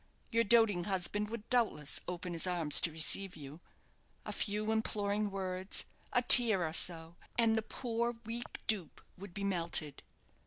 Your doting husband would doubtless open his arms to receive you. A few imploring words, a tear or so, and the poor, weak dupe would be melted.